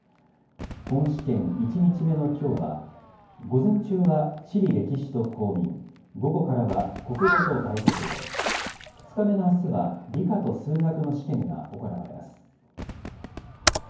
本試験１日目のきょうは、午前中は地理歴史と公民、午後からは国語と外国語、２日目のあすは理科と数学の試験が行われます。